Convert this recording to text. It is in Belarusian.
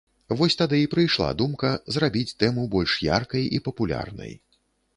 Вось тады і прыйшла думка зрабіць тэму больш яркай і папулярнай.